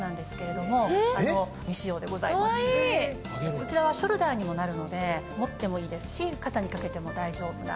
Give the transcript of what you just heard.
こちらはショルダーにもなるので持ってもいいですし肩にかけても大丈夫な。